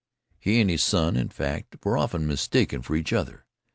He and his son were, in fact, often mistaken for each other.